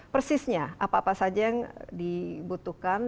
persisnya apa apa saja yang dibutuhkan